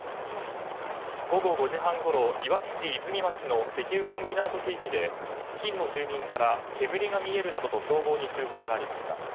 午後５時半ごろいわき市の石油コンビナート区域で付近の住民から煙が見えるなどと消防に通報がありました。